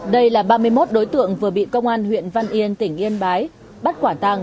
đây là ba mươi một đối tượng vừa bị công an huyện văn yên tỉnh yên bái bắt quả tàng